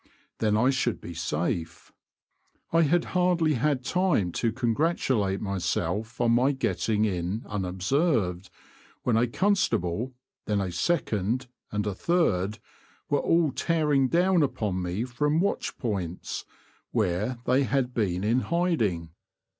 Then I should be safe. I had hardly had time to congratulate myself on my getting in unobserved when a constable, then a second, and a third were all tearing down upon me from watch points, where they had been in hiding.